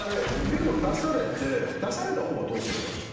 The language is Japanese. ベロ出されて出された方はどうすればいいの？